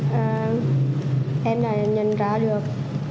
vì vậy em đã nhận ra được